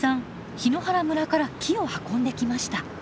檜原村から木を運んできました。